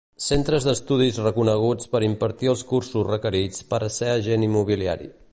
Centres d'estudis reconeguts per impartir els cursos requerits per a ser agent immobiliari.